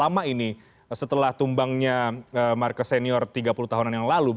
yang dilakukan oleh klan marcos selama ini setelah tumbangnya marcos senior tiga puluh tahunan yang lalu